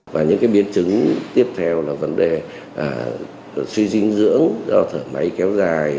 và những biến chứng tiếp theo là vấn đề suy dinh dưỡng do thở máy kéo dài